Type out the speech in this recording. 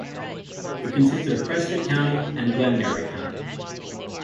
It consisted of Prescott County and Glengarry County.